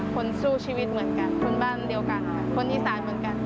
คนสู้ชีวิตเหมือนกันคนบ้านเดียวกันค่ะคนอีสานเหมือนกัน